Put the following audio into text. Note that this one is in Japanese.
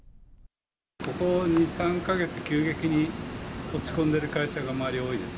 ここ２、３か月、急激に落ち込んでる会社が周り、多いです。